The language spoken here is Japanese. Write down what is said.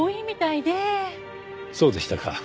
そうでしたか。